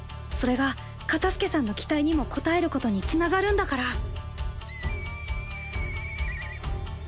それがカタスケさんの期待にも応えることにつながるんだから